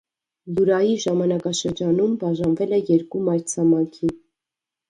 Յուրայի ժամանակաշրջանում բաժանվել է երկու մայրցամաքի։